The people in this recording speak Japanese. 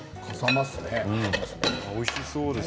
おいしそうですね。